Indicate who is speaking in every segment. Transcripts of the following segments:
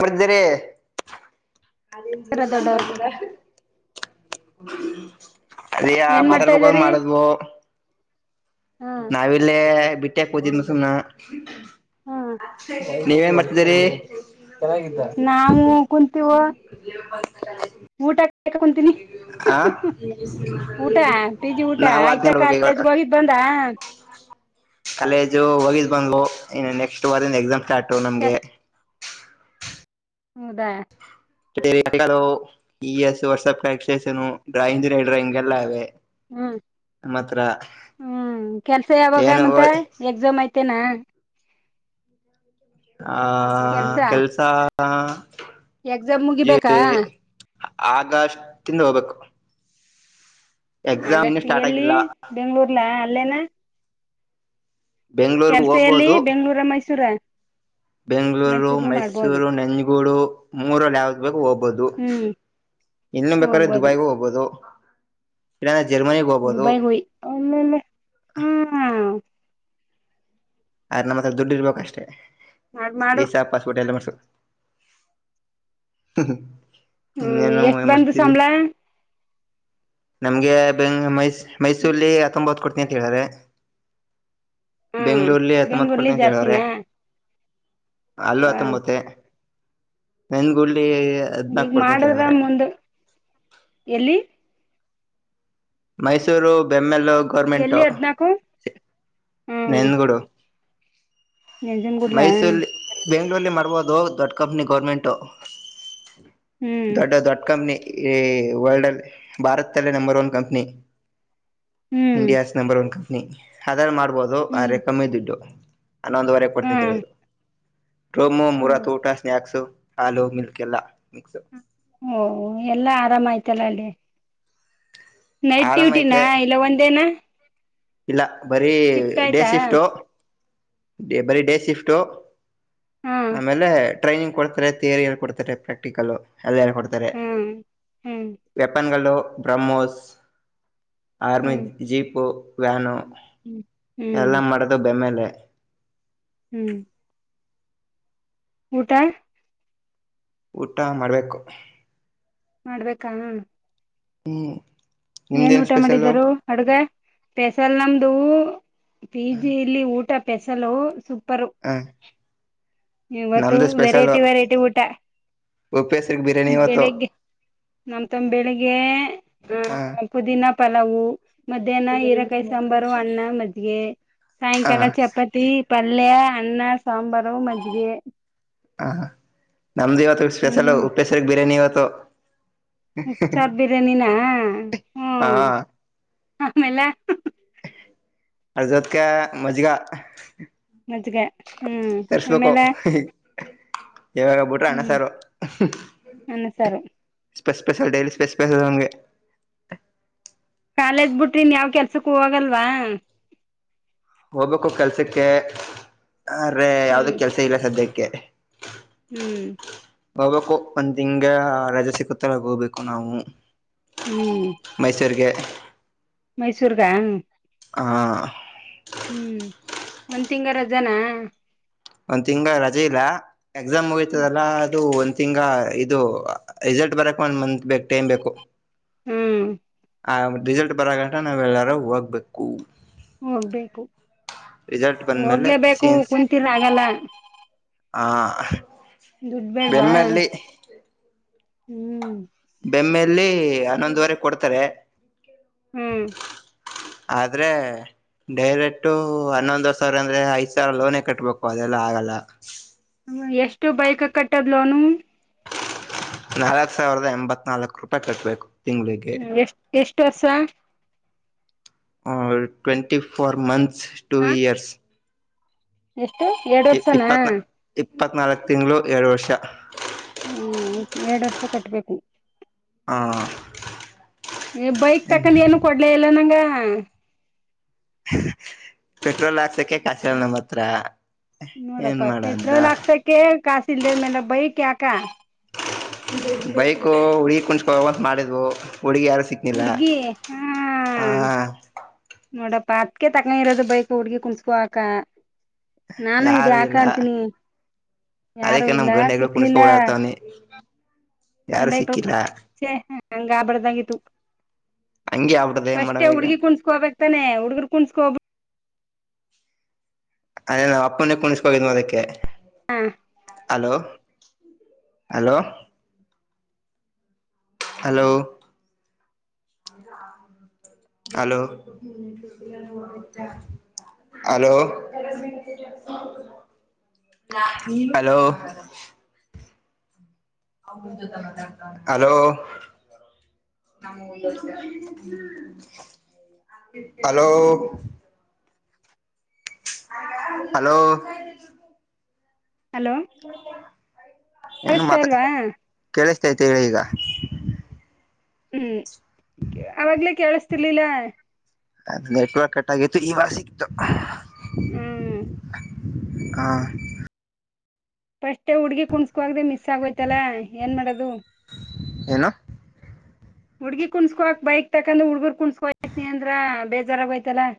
Speaker 1: ಪ್ರಜರೆೇ ಅದ
Speaker 2: ದೊಡ್ಡವ್ರಗ ಏನ್ ಮಾಡ್ತಾ
Speaker 1: ಮಾತಾಡ್ಬೇಕ ಅ
Speaker 2: ಇದಾರಿ
Speaker 1: ಮಾಡದ್ವು
Speaker 2: ಹ
Speaker 1: ನಾವಲ್ಲೇ ಬಿಟ್ಟ್ಯಾಕ್ ಹೋತನ ಸುಮ್ಮ
Speaker 2: ಹ
Speaker 1: ನೀವೇನ್ ಮಾಡ್ತಿದ್ದೀರಿ
Speaker 2: ನಾವು ಕುಂತೀವ
Speaker 1: ಮಾತಾಡ್
Speaker 2: ಊಟ ಕುಂತೀನಿ
Speaker 1: ಹ
Speaker 2: ಊಟ
Speaker 1: ನಾವು ಅದ್ೇ
Speaker 2: ಹ
Speaker 1: ಕಾಲೇಜು ಹೋಗಿದ್ ಬಂಗ್ಲು ಇನ್ನು ನೆಕ್ಸ್ಟ್ ವಾರಂದ ಎಕ್ಸಾಮ್ ಸ್ಟಾರ್ಟು ನಮ್ಗೆ
Speaker 2: ಹೌದಾ
Speaker 1: ಈ ಎಸ್ ವಾಟ್ಸಪ್ ಕ ಡ್ರಾಯಿಂಗ ಹೇಳ್ರ ಹಿಂಗೆಲ್ಲ ಅವೆ
Speaker 2: ಹ್ಮ್ ಹ್ಮ್ ಕೆಲ್ಸ ಯಾವಾಗ
Speaker 1: ಏನು
Speaker 2: ಮಂತ ಎಕ್ಸಾಮ್ ಐ್ತ ತ್ತೇನಾ
Speaker 1: ಆ ಕೆಲ್ಸ
Speaker 2: ಎಕ್ಸಾಮ್ ಮುಗಿಬೇಕಾ
Speaker 1: ಆಗಷ್ಟಿಂದ ಹೋಗ್ಬೇಕು ಎಕ್ಸಾಮ್ ಇನ್ನು
Speaker 2: ಹಾಗಷ್ಟು
Speaker 1: ಸ್ಟಾರ್ಟ್
Speaker 2: ಎಲ್ಲಿ
Speaker 1: ಆಗಿಲ್ಲ
Speaker 2: ಬೆಂಗ್ಳೂರ್ಲ ಅಲ್ಲೇನ
Speaker 1: ಬೆಂಗ್ಳೂರ್ಗೂ
Speaker 2: ಕೆಲ್ಸೆಯಲ್ಲಿ ಬೆಂಗ್ಳೂರ ಮೈಸೂರ
Speaker 1: ಬೆಂಗ್ಗಳೂರು
Speaker 2: ಮೈಸೂರ್ಲು ಮಾಡ್ಬೋದು
Speaker 1: ಮೈಸೂರು ನೆಂಜಗೂಡು ಮೂರಲ್ಲಿ ಯಾವ್ದ ಬೇಕು ಹ ೋಗಬ
Speaker 2: ಹ್ಮ್
Speaker 1: ಇನ್ನು ಬೇಕಾದ್ರೆ
Speaker 2: ಹೋಗ್ಬೋದು
Speaker 1: ದುಬೈಗೂ ಹೋಗ್ಬಹುದು ಇ
Speaker 2: ದುಬೈ ಹಯಿಲ್ಲ ಹಾ
Speaker 1: ಅ್ರ ನಮ್ಮ ಹತ್ರ ದುಡ್ಡು ಇರ್ಬೇಕು ಅಷ್ಟೇ
Speaker 2: ಮಾಡ್ ಮಾಡು
Speaker 1: ಈಸ ಪಾಸ್ಪುಟ್ಟ ಎಲ್ಲ ಮಸು ಹ್ಮ ಹ್ಮ
Speaker 2: ಹ್ಮ್
Speaker 1: ಎಂಗನೋ
Speaker 2: ಎಷ್ಟ್ ಬಂದು
Speaker 1: ಯಂಬರ್ತರಿ
Speaker 2: ಸಂಬಳ
Speaker 1: ನಮ್ಗೆ ಬೆಂಗ ಮೈ ಮೈಸೂರ್ಲ್ಲಿ ಹತ್ತೊಂಬತ್ತು ಕೊಡ್ತಿನಿ ಅಂತ ಹೇಳಾರೆ
Speaker 2: ಹ್ಮ್
Speaker 1: ಬೆಂಗ್ಳೂರ್ಲ್ಲಿ ಹತ್ತ ಮತ್
Speaker 2: ಬೆಂಗ್ಳೂರ್ಲಿ
Speaker 1: ಕೊಡ್ತನ ಅಂತ ಹೇಳ್ರ
Speaker 2: ಜಾಸ್ತಿನಾ ವ
Speaker 1: ಅಲ್ವತ್ತೊಂಬತ್ತ ನೆಂದಗು ಲ್ಲಿ
Speaker 2: ಈಗ
Speaker 1: ಹದ್ನಾಕು ಕೊಡ್ತನ ಅಂತ
Speaker 2: ಮಾಡುದ್ರ
Speaker 1: ಹೇಳವ್ರೆ
Speaker 2: ಮುಂದ ಎಲ್ಲಿ
Speaker 1: ಮೈಸೂರು ಬೆಮ್ಮೆಲ್ಲ
Speaker 2: ಎಲ್ಲಿ ಹದ್ನಾಕು
Speaker 1: ನೈಂದಗೂಡು
Speaker 2: ನೆಂಜುನ್ಗೂಡ್ಲ
Speaker 1: ಬೆಂಗಗಳೂರ್ಲ್ಲಿ ಮಾಡ್ಬಹದು ದೊಡ್ಡ ಕಂಪ್ನಿ ಗೋರ್ಮೆಂಟು
Speaker 2: ಹ್ಮ್
Speaker 1: ದೊಡ್ಡ ದೊಡ್ಡ ಕಂಪ್ನಿ ವರ್ಲ್ಡ್ ಅಲ್ಲಿ ಭಾರತ ಅಲ್ಲೇ ನಂಬರ್ ಒನ್ ಕಂಪ್ನಿ
Speaker 2: ಹ್ಮ್
Speaker 1: ಇಂಡಿಯಾಸ್ ನಂಬರ್ ಒನ್ ಕಂಪ್ನಿ ಅದಲ್ಲ ಮಾಡ್ಬೋದು ಆ
Speaker 2: ಹ್ಮ್
Speaker 1: ರೆಕ್ಕಮ್ಮೇ ದುಡ್ಡು ನನ್ನೊಂದುವರೆಗೆ ಕೊಡ್ತೀನಂತ
Speaker 2: ಹ್ಮ್
Speaker 1: ಹೇಳಿದರು ಟೋಮೋ ಮೂರ
Speaker 2: ಹ್ಮ್
Speaker 1: ತ ಊಟ ಸ್ನಾಯಕ್ಸ್ ಆಲೂ ಮಿಲ್ಕ್ ಎಲ್ಲ ಮಿಕ್ಸ್
Speaker 2: ಓ ಎಲ್ಲಾ ಆರಾಮಯ್ತಲ್ಲ ಅಲ್ಲಿ ನೈಟ್
Speaker 1: ಆರಾಮ
Speaker 2: ಡ್ಯೂಟಿನ
Speaker 1: ಐತೆ
Speaker 2: ಇಲ್ಲ ಒಂದೇನಾ
Speaker 1: ಇಲ್ಲ ಬರೀ ಡೇ
Speaker 2: ಆಯ್ತಾ
Speaker 1: ಶಿಫ್ಟ್ಟು ಬರೀ ಡೇ ಶಿಫ್ಟು
Speaker 2: ಹಾ
Speaker 1: ಆಮೇಲೆ ಟ್ರೈನಿಂಗ್ ಕೊಡ್ತಾರೆ ತಿಯರಿ ಎಲ್ಲಿ ಕೊಡ್ತಾರೆ ಪ್ರಾಕ್ಟಿಕಲ್ಲ ಅಲ್ಲಲ್ಲ ಕೊಡ್ತಾರೆ
Speaker 2: ಹ್ಮ್ ಹ್ಮ್
Speaker 1: ವೆಪನ್ ಗಳು ಬ್ರಮೋಸ್ ಆರ್ಮಿ
Speaker 2: ಹ್ಮ್
Speaker 1: ಜೀಪು ವ್ಯಾಾನ
Speaker 2: ಹ್ಮ್ ಹ್ಮ್
Speaker 1: ಎಲ್ಲ ಮಾಡೋದು ಬೆಮ್ಮೇಲೆ
Speaker 2: ಹ್ಮ್ ಊಟ
Speaker 1: ಊಟ ಮಾಡ್ಬೇಕು
Speaker 2: ಮಾಡ್ಬೇಕಣ
Speaker 1: ಹ
Speaker 2: ಏನ್ ಊಟ ಮಾಡಿದ್ದರು ಅಡ್ಗ ಪೇಸಲ್ ನಮ್ದುೂ ಪಿಜಿ ಇಲ್ಲಿ ಊಟ ಪೆಸಲು ಸುಕ್
Speaker 1: ಹ್ಮ
Speaker 2: ಇವತ್ತು ವೆರೈಟಿ ವೆರೈಟಿ ಊಟ
Speaker 1: ಉಪಸ್ರ ಬಿರಯಾನಿ ಮತ್ತು
Speaker 2: ನಮ ತಂಬ ಬೆಳಿಗ್
Speaker 1: ಹ
Speaker 2: ಆ ಪುದೀನಾ ಪಲಾವು ಮಧ್ಯಾಹ್ನ ಹೀರಕಾಯಿ ಸ ಸಾಂಬಾರು ಅಣ್ಣ ಮಜ್ಜಿಗೆ
Speaker 1: ಹ
Speaker 2: ಸಾಯಂಕಾಲ ಚಪ್ಪಾತಿ ಪಲ್ಯ ಅಣ್ಣ ಸಾಂಬಾರು ಮಜ್ಜಿಗೆ
Speaker 1: ಹ ನಮ್ದು ಇವತ್ತು ಸ್ಪೆಷಲ್
Speaker 2: ಹ್ಮ್
Speaker 1: ಉಪ್ಪಸರಿ ಬಿರಯಾನಿ ಇವತ್ತು
Speaker 2: ಸಾರ್ ಬಿರ್ಯಾನಿನ ಹ್ಮ
Speaker 1: ಹಾ
Speaker 2: ಆಮೇಲೆ
Speaker 1: ಅ ಜೊತ್ಕ ಮಜ್ಗಾ
Speaker 2: ಮ್ಗೆ ಹ್ಮ್ ಆಮೇಲೆ
Speaker 1: ಯಾವಾಗೋಗಬಿಟ್ರರು
Speaker 2: ಹ್ಮ್
Speaker 1: ಅಣಸಾರು
Speaker 2: ಅನ್ನ ಸಾರು
Speaker 1: ಸ್ಪೆಸ್ಪೆಸ ಡಯ್ಲಿ ಸ್ಪೆಸ್ಪೇಸಗೆ
Speaker 2: ಕಾಲೇಜ್ ಬಿಟ್ರಿನ್ ಯಾವ್ ಕೆಲ್ಸಕ್ಕ ಹೋಗಲ್ವಾ
Speaker 1: ಹೋಗ್ಬೇಕು ಕೆಲ್ಸಕ್ಕೆ ಅ್ರ ಯಾವ್ದ
Speaker 2: ಹ್ಮ್
Speaker 1: ಕೆಲ್ಸ ಇಲ್ಲ ಸದ್ಯಕ್ಕೆ
Speaker 2: ಹ್ಮ್
Speaker 1: ಹೋಗ್ಬೇಕು ಒಂದ್ ತಿಂಗ ರಜೆ ಸಿಗುತ್ತಲ್ಲಗೋಗ್ಬೇಕು ನಾವು ಮೈಸೂರ್ಗೆ
Speaker 2: ಮೈಸೂರುಗ ಹ
Speaker 1: ಹ
Speaker 2: ಹ್ಮ್ ಒಂದ್ ತಿಂಗರ ಜನ
Speaker 1: ಒಂದ್ ತಿಂಗ ರಜೆ ಇಲ್ಲ ಎಕ್ಸಾಮ್ ಮುಗತದಲ್ಲ ಅದು ಂಗ ಇದು ರೆಿಸಲ್ಟ್ ಬರಕ್ ಒಂದ್ ಮಂತ್ ಬಕ್ ಟೈಮ್ ಬೇಕು
Speaker 2: ಹ್ಮ್
Speaker 1: ಆ ರಿಸಲ್ಟ್ ಬರಾಗಂಟ ನಾವೆಲ್ಲರೂ ಹೋಗ್ಬೇಕು
Speaker 2: ಹೋಗ್ಬೇಕು
Speaker 1: ರಿಸಲ್ಟ್ ಬಂದ್ಮೇಲೆ
Speaker 2: ಹೋಗ್ಲೇಬೇಕು
Speaker 1: ಸೀನ್ಸ್
Speaker 2: ಕುಂತರ ಆಗಲ್ಲ
Speaker 1: ಆ
Speaker 2: ದುಡ್ಬ ಬ
Speaker 1: ಬೆಮ್ಮಲ್ಲಿ
Speaker 2: ಹ್ಮ್
Speaker 1: ಬೆಮ್ಮೆಯಲ್ಲಿ ಹನ್ನೊಂದುವರೆ ಕೊಡ್ತಾರೆ
Speaker 2: ಹ್ಮ್
Speaker 1: ಆದ್ರೆ ಡೈರೆಕ್ಟು ಹನ್ನೊಂದ ಸಾವಿರ ಅಂದ್ರೆ ಐದ್ ಸಾವಿರ ಲೋನೇ ಕಟ್ಬೇಕು ಅದೆಲ್ಲ ಆಗಲ್ಲ
Speaker 2: ಎಷ್ಟು ಬೈಕ್ ಕಟ್ಟದ್ಲನು
Speaker 1: ನಾಲ್ಕ್ ಸಾವಿರದ ಎಂಬತ್ ನಾಲ್ಕು ರೂಪಾಯಿ ಕಟ್ಬೇಕು ತಿಂಗಳಿಗೆ
Speaker 2: ಹ್ಮ್ ಎಷ್ಟ ಎಷ್ಟ ವರ್ಷ
Speaker 1: ಟ್ವೆಂಟಿ ಫೋರ್ ಮಂತ್ಸ್ ಟೂ
Speaker 2: ಹ
Speaker 1: ಇಯರ್ಸ್
Speaker 2: ಎಷ್ಟು ಎರಡ್ ವರ್ಸನ
Speaker 1: ಇಪ್ಪತ್ತ್ನಾಲ್ಕು ತಿಂಗಳು ಎರಡು ವರ್ಷ
Speaker 2: ಹ್ಮ್ ಎರಡ್ ವರ್ಷ ಕಟ್ಬೇಕ
Speaker 1: ಹ
Speaker 2: ಬೈಕ್ ತಕಂದ ಏನು ಕೊಡ್ಲ ಇಲ್ಲ ನಂಗ
Speaker 1: ಪೆಟ್ರೋಲ್ ಹಾಕ್ಸಕ್ಕೆ ಕಾಸಲ್ಲ ನಮ್ಮ ಹತ್ರ ಏನ್
Speaker 2: ನೋಡಪ್ಪ
Speaker 1: ಮಾಡದ
Speaker 2: ಪೆಟ್ರೋಲ್ ಹಾಕ್ಸಕ ಕಾಸಿ ಇಲ್ದೇದ್ಮೇಲೆ ಬೈಕ್ ಯಾಕ
Speaker 1: ಬೈಕ್ಹುಡ ಕುಣಸ್ಕೊಂತ ಮಾಡಿದ್ವು ಹುಡುಗಿ ಯಾರು ಸಿಕ್ಕನಿಲ್ಲ
Speaker 2: ಹುಡ್ಗಿ ಹಾ
Speaker 1: ಹ
Speaker 2: ನೋಡಪ್ಪಾ ಅತ್ಕ ತಕ್ಣ ಇರೋದು ಬೈಕ್ ಹುಡ್ಗಿ ಕುಣ್ಸ್ಕೋಕ ನಾನು ಇದ
Speaker 1: ಯಾರು
Speaker 2: ಯಾಕ
Speaker 1: ಇಲ್ಲ
Speaker 2: ಅಂತೀನಿ ಯಾರು
Speaker 1: ಅದಕ್ಕೆ ನಮ್
Speaker 2: ಇಲ್ಲ
Speaker 1: ಗಂಡೆಗಳು
Speaker 2: ಸಿಕ್ಲಿಲ್ಲ
Speaker 1: ಕುಣಿಸ್ಕೊ ಓಡಾಡ್ತವನಿ ಯಾರು ಸಿಕ್ಕಿಲ್ಲ
Speaker 2: ಗಂಡಾಯಳಂಗ ಆಬಡ್ದಂಗ ತು
Speaker 1: ಹಂಗೆ ಆಗ್ಬಿಟ್ಟದ
Speaker 2: [inaudible]
Speaker 1: ಏನ್
Speaker 2: ಫರ್ಸ್ಟ್
Speaker 1: ಮಾಡವ ಈಗ
Speaker 2: ಹುಡ್ಗಿ ಕುಣಸ್ಕೋಬೇಕಕ್ತಾನೆ ಹುಡ್ಗರ್ ಕುಣಸ್ಕೋಬ
Speaker 1: ಅದೇ ನಾ್ ಅಪ್ಪನೇ ಕುಣಸ್ಕೋಗಿದ್ವಿ ಅದಕ್ಕೆ hello hello hello hello hello hello hello ನ ಹ್ಮ [inaudible] ಹಲೋ ಹಲೋ
Speaker 2: ಹಲೋ
Speaker 1: ಏನು
Speaker 2: ಕೇಳಸ್ತಾ
Speaker 1: ಮತ
Speaker 2: ಇಲ್ವಾ
Speaker 1: ಕೇಳಿಸ್ತೈತಿ ಹೇಳಿ ಈಗ [inaudible]
Speaker 2: ಹ್ಮ್ ಅವಾಗ್ಲೇ ಕೇಳಸ್ತಿರ್ಲಿಲ್ಲ
Speaker 1: ಅದ ಮೆ ಕಳ ಕಟ್ಟಾಗಿತ್ತು ಇವಾಗ ಸಿಕ್ತು
Speaker 2: ಹ್ಮ್
Speaker 1: ಹಾ
Speaker 2: ಫರ್ಸ್ಟ್ ಹುಡ್ಗಿ ಕುಣ್ಸ್ಕೊಾಗ್ದೆ ಮಿಸ್ ಆಗೋಯ್ತಲ್ಲ ಏನ್ ಮಾಡೋದು
Speaker 1: ಏನು
Speaker 2: ಹುಡ್ಗಿ ಕುಣ್ಸ್ಕೋಕ್ ಬೈಕ್ ತಕಂದ ಹುಡ್ಗರ್ ಕುಣಸ್ಕೋನಿ ಅಂದ್ರ ಬೇಜಾರು ಆಗೋಯ್ತಲ [inaudible]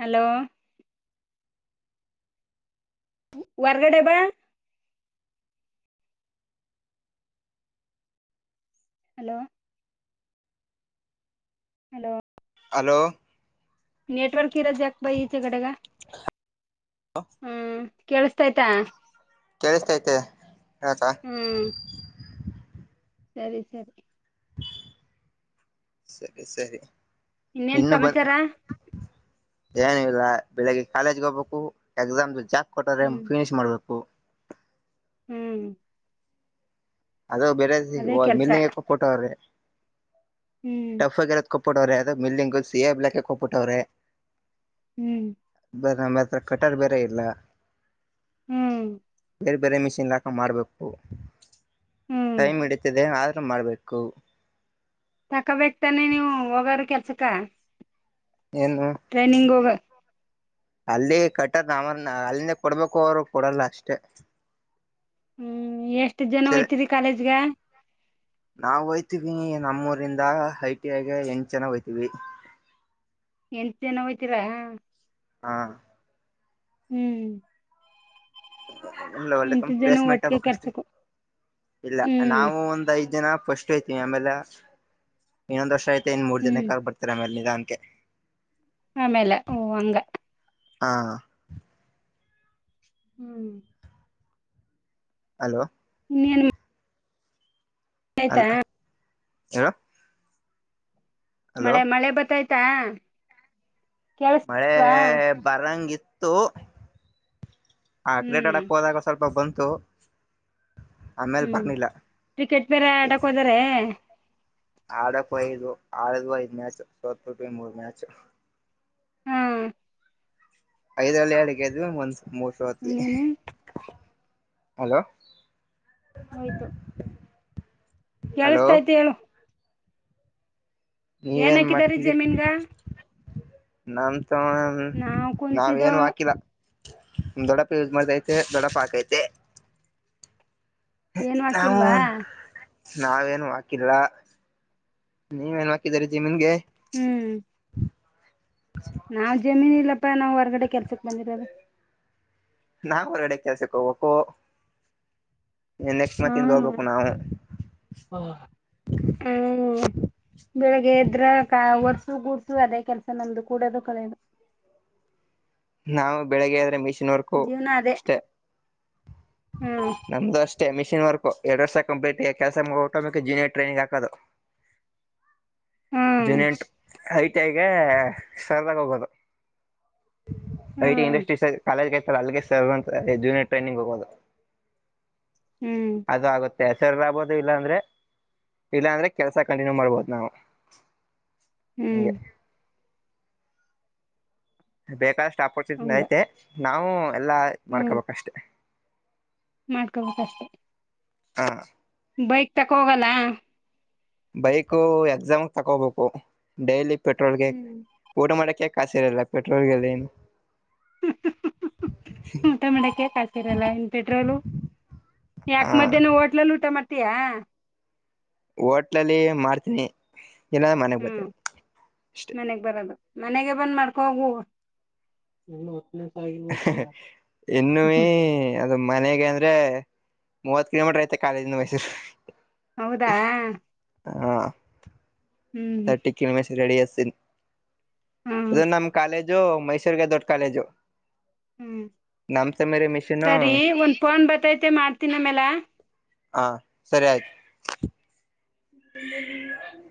Speaker 2: ಹಲೋ ಹೊರ್ಗಡೆ ಬಾ ಹಲೋ ಹಲೋ
Speaker 1: ಹಲೋ
Speaker 2: ನೆಟವರ್ಕ ಹಿರ ಜಕ್ ಬೈ ಈಚ ಕಡೆ ಕ ಹ್ಮ್ ಕೇೇಳಿಸತಾಯಯ್ತಾ
Speaker 1: ಕೇಳಿಸ್ತೈತೆ ಹತ
Speaker 2: ಹ್ಮ್ ಸರಿ ಸರಿ
Speaker 1: ಸರಿ ಸರಿ
Speaker 2: ಇನ್ನೇನ್ ಸಮಾಚಾರ
Speaker 1: ಏನ ಇಲ್ಲ ಬೆಳಿಗ್ಗೆ ಕಾಲೇಜ್ಗೆ ಹೋಗ್ಬೇಕು ಎಕ್ಸಾಮ್ ಜಾಕ್ ಕೊಟ್ಟ್ರೆ
Speaker 2: ಹ್ಮ್
Speaker 1: ಫಿನಿಶ್ ಮಾಡ್ಬೇಕು
Speaker 2: ಹ್ಮ್
Speaker 1: ಅದ ಬೇರೆ
Speaker 2: ಅದೇ ಕೆಲ್ಸ
Speaker 1: ಮೇಲ್ನಗೆ ಕೊಟ್ಟವ್ರಿ
Speaker 2: ಹ್ಮ್
Speaker 1: ಟಫ್ ಆಗಿರೋ ಕೊಬಿಟ್ಟವ್ರೆ ಅದ ಮಿಲ್ಡಿಂಗು ಸಿ ಎಾ ಬ್ಲಾಕ್ಗೆ ಕೊಪ್ಪಬಿಟ್ಟವ್ರೆ
Speaker 2: ಹ್ಮ್
Speaker 1: ನಮ್ಮ ಹತ್ರ ಕಟ್ಟರ್ ಬೇರೆ ಇಲ್ಲ
Speaker 2: ಹ್ಮ್
Speaker 1: ಬೇರೆ ಮಿಷಿನ್ ಲಾಕ ಮಾಡಬೇಕು
Speaker 2: ಹ್ಮ್
Speaker 1: ಟೈಮ್ ಇಡದೆ ಆದ ಮಾಡ್ಬೇಕು
Speaker 2: ತಕೋಬೇಕ ತಾನೆ ನೀವು ಹೋಗರ ಕೆಲ್ಸಕ
Speaker 1: ಏನು ಅಲ್ಲಿ ಕಟ್ಟದ ನಮನ್ ಅಲ್ಲಿಂದೇ ಕೊಡ್ಬೇಕು ಅವರು ಕೊಡಲ್ಲ ಅಷ್ಟೇ
Speaker 2: ಹ್ಮ್ ಎಷ್ಟ ಜನ ಒಯ್ತರಿ ಕಾಲೇಜ್ಗ
Speaker 1: ನಾವು ಹಯ್ತೀವಿ ನಮ್ಮೂರಿಂದ ಐಟಿಐಗೆ ಎಂಟು ಜನ ಹೋಯ್ತೀವಿ
Speaker 2: ಎಂಟು ಜನ ಯ್ತೀರಾ
Speaker 1: ಹಾ
Speaker 2: ಹ್ಮ್
Speaker 1: ಇಲ್ಲ ಒಳ್ಳೆ ತ
Speaker 2: ಎಂಟು ಜನ
Speaker 1: ಪ್ಲೇಸ್ಮೆಂಟ್ ಆಗ್ಬ
Speaker 2: ಒಟ್ಟಿಗೆ
Speaker 1: ಅಷ್ಟೆ
Speaker 2: ಕೆಲ್ಸಕ್ಕೂ
Speaker 1: ಇಲ್ಲ
Speaker 2: ಹ್ಮ್
Speaker 1: ನಾವು ಒಂದ್ ಐದ್ ಜನ ಫಸ್ಟ್ ಐತಿೀವಿ ಆಮೇಲೆ ಇನ್ನೊಂದ ವರ್ಷ ಐತೆ ಇನ್ ಮೂರ್
Speaker 2: ಹ್ಮ್
Speaker 1: ಜನಕ್ಕೆ ಆಿ ಬರ್ತಾರೆ ಆಮೇಲೆ ಇಲ್ಲನ್ಕ
Speaker 2: ಆಮೇಲೆ ಓ ಹಂಗ
Speaker 1: ಹಾ
Speaker 2: ಹ್ಮ್
Speaker 1: ಹಲೋ
Speaker 2: ಇನ್ ಆಯ್ತಾ
Speaker 1: ಯರ
Speaker 2: ಮಳೆ ಮಳೆ ಬತ್ತಾಯ್ತಾ
Speaker 1: ಮಳೆ
Speaker 2: ಕೇಳಸ್ವಾ
Speaker 1: ಬರಂಗಿತ್ತು ಆ
Speaker 2: ಹ್ಮ್
Speaker 1: ಕ್ರೇಟಾಡಕ್ ಹೋದಾಗ ಸ್ವಲ್ಪ ಬಂತು ಆಮೇಲ್
Speaker 2: ಹ್ಮ್
Speaker 1: ಬರ್ನಿಲ್ಲ
Speaker 2: ಕ್ರಿಕೆಟ್ ಬೇರೆ ಆಡಕ್ ಹೋದಾರ
Speaker 1: ಆಡಕ್ ಐದು ಆಡ್ ಐದ್ ಮ್ಯಾಚ್ ಸವತ್ ಟ್ಟವಿ ಮೂರ್ ಮ್ಯಾಚ್
Speaker 2: ಹಾ
Speaker 1: ಐದ್ರಲ್ಲಿ ಎಡ್ಕ್ಕೆದ್ವಿ ಒಂದ ಮೋಷ ಹತ್ವಿ
Speaker 2: ಇನ್ನೇನು
Speaker 1: ಹಲೋ
Speaker 2: ಹಯ್ತು
Speaker 1: ಹಲೋ
Speaker 2: ಕೇಳಿಸತಾಯತಿ ಹೇಳು ಏನ್
Speaker 1: ನೀವೇನ್
Speaker 2: ಹಾಕಿದಾರಿ
Speaker 1: ಮಾಡ್ತಿದೀ
Speaker 2: ಜಮೀನ್ಗ
Speaker 1: ನಾ
Speaker 2: ನಾವ್
Speaker 1: ನಾವ
Speaker 2: ಕುಂತಿದೋ
Speaker 1: ಏನು ಹಾಕಿಲ್ಲ ದೊಡ್ಡಪ್ಪ ಯೂಸ್ ಮಾಡತೈತೆ ದೊಡ್ಡಪ್ಪ ಹಾಕೈತೆ
Speaker 2: ಏನು ಹಾಕಿಲ್ವಾ
Speaker 1: ಹನ್ ನಾವೇನ್ ಹಾಕಿಲ್ಲ ನೀವೇನ್ ಹಾಕಿದರಿ ಜೀಮನ್ಗೆ
Speaker 2: ಹ್ಮ್ ನಾವವು ಜಮೀನ್ ಇಲ್ಲಪ್ಪಾ ನಾವು ಹೊರಗಡೆ ಕೆಲ್ಸಕ್ ಬಂದಿರವೆ
Speaker 1: ನಾ್ ಹೊರಗಡೆ ಕೆಲ್ಸಕ್ಕೆ ಹೋಗ್ಬೇಕಕು ನೆಕ್ಸ್ಟ್ ಮಂತ್ ಇಿಂದ
Speaker 2: ಹ್ಮ್
Speaker 1: ಹೋಗ್ಬೇಕು ನಾವು
Speaker 2: ಹ್ಮ ಬೆಳಿಗ್ಗೆದ್ರ ವರ್ಷ ು ಗೂಡ್ಸು ಅದೇ ಕೆಲ್ಸ ನಲ್ಲದು ಕೂಡದು ಕಳೆಯದು
Speaker 1: ನಾವು ಬೆಳಿಗ್ಗೆ ಆದ್ರೆ ಮ ಮಿಷ ವರ್ಕ್
Speaker 2: ಜೀವನ ಅದೇ
Speaker 1: ಅಷ್ಟೇ
Speaker 2: ಹ್ಮ್
Speaker 1: ನಮ್ದು ಅಷ್ಟೇ ಮಿಷಿನ್ ವರ್ಕ್ ಎರಡ್ ವರ್ ಸ ಕಂಪ್ಲೀಟ್ ಕೆಲಸ ಓಟಮ ಜೂನಿಯರ್ ಟ್ರೈನಿಂಗ್ ಹಾಕೋದು
Speaker 2: ಹ್ಮ್
Speaker 1: ಜೂನಿಯಂಟ್ ಐಟಐಗೆ ಸರದಾಗ ಹೋಗೋದು ಐ ಟಿ
Speaker 2: ಹ್ಮ್
Speaker 1: ಇಂಡಸ್ಟ್ರೀ ಸ ಕಾಲೇಜ್ಗೆತಾರೆ ಅಲ್ಲಿಗೆ ಸರ್ ಅಂತ ಜೂನಿಯರ್ ಟ್ರೈನಿಂಗ್ ಹೋಗೋದು
Speaker 2: ಹ್ಮ್
Speaker 1: ಹೆಸರ್ ಆಗ್ಬೋದು ಇಲ್ಲಾ ಅಂದ್ರೆ ಇಲ್ಲಾ ಅಂದ್ರೆ ಕೆಲ್ಸ ಕಂಟಿನ್ಯೂ ಮಾಡ್ಬಹುದು ನಾವು
Speaker 2: ಹ್ಮ್
Speaker 1: ಹಂಗೆ ಬೇಕಾದಷ್ಟು ಅಪೋರ್ಚುನಿಟಿ
Speaker 2: ಹಂಗ
Speaker 1: ಐತೆ ನಾವವು ಎಲ್ಲಾ
Speaker 2: ಹ್ಮ್
Speaker 1: ಮಾಡ್ಕೋಬೇಕಷ್ಟೆ
Speaker 2: ಮಾಡ್ಕೊಬೇಕಷ್ಟೆ
Speaker 1: ಹಾ
Speaker 2: ಬೈಕ್ ತಕ ಹೋಗಲ್ಲ
Speaker 1: ಬೈಕ್ ಎಕ್ಸಾಮ್ ತಗೋಬೇಕು ಡೈಲಿ ಪೆಟ್ರೋಲ್ಗೆ
Speaker 2: ಹ್ಮ್
Speaker 1: ಊಟ ಮಾಡಕ ಕಾಸಿರಲ್ಲ ಪೆಟ್ರೋಲ್ ಗಲ್ಲ
Speaker 2: ಹ ಟೊಮೆಟ ಕಾಕ್ ಹಕಿರಲ್ಲ ಇನ್ ಪೆಟ್ರೋಲು
Speaker 1: ಹ
Speaker 2: ಯಾಕ ಮಧ್ಯಾಹನ ಹೋಟ್ಲಲ್ಲೂ ಟೊಮಟ ಅತಯಾ
Speaker 1: ಹೋಟ್ಲಲ್ಲಿ ಮಾಡ್ತೀನಿ ಇಲ್ಲ ಮನೆಗ್
Speaker 2: ಹ್ಮ್
Speaker 1: ಬರ್ತೀನಿ ಅಷ್ಟೆ
Speaker 2: ಮನೆಗ್ ಬರೋದು ಮನೆಗೆ ಬಂದ ಮಾಡ್ಕೊಗುವ ನಿನ್ನು
Speaker 1: ಇನ್ನು ಅದು ಮನೆಗೆ ಅಂದ್ರೆ ಮೂವತ್ ಕಿಲೋಮೀಟರ್ ಐತೆ ಕಾಲೇಜಿಂದ ಮೈಸೂರು
Speaker 2: ಹೌದಾ
Speaker 1: ಹಾ
Speaker 2: ಹ್ಮ್
Speaker 1: ಟಿಕ
Speaker 2: ಹ್ಮ
Speaker 1: ರೆಡಿನ್ನು ನಮ್ಮ ಕಾಲಜ ಜೋ ಮೈಸೂರ್ಗೆ ದೊಟ್ಕಾಲೇಜೋ
Speaker 2: ಹ್ಮ್ ಸರಿ ಒಂದ್ ಪೋನ್ ಬತೈತೆ ಮಾಡ್ತನಮೆಲ್ಲ
Speaker 1: ಹಾ ಸರಿ ಆಯ್ತು ದಿನದಿಂದಿದೀನ್